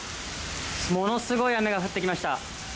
ものすごい雨が降ってきました。